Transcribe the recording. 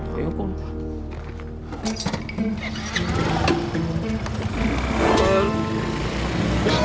ya ya pak